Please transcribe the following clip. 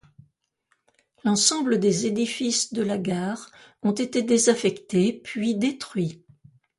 L'ensemble des édifices de la gare ont été désaffectés puis détruits.